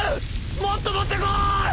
もっと持ってこい！